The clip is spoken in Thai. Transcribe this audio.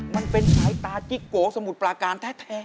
มันเป็นสายตาจิ๊กโกสมุทรปลาการแท้